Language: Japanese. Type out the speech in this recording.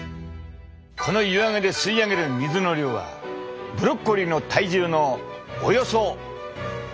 この湯揚げで吸い上げる水の量はブロッコリーの体重のおよそ１０分の１！